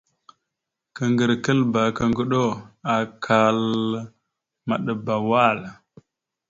Kaŋgarəkaləba aka ŋgədo, akkal, maɗəba wal.